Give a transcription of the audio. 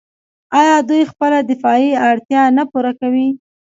آیا دوی خپله دفاعي اړتیا نه پوره کوي؟